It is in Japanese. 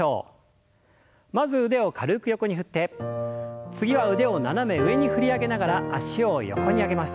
まず腕を軽く横に振って次は腕を斜め上に振り上げながら脚を横に上げます。